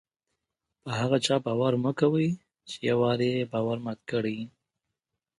په هغه چا باور مه کوئ! چي یو وار ئې باور مات کړى يي.